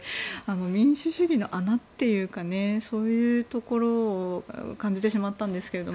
民主主義の穴というかそういうところを感じてしまったんですけど。